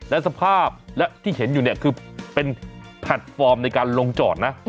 และสภาพและที่เห็นอยู่เนี่ยคือเป็นแพลตฟอร์มในการลงจอดนะ